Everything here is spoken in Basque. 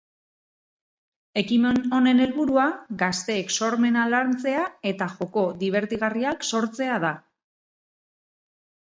Ekimen honen helburua, gazteek sormena lantzea eta joko dibertigarriak sortzea da.